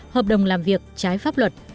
hợp đồng làm việc trái pháp luật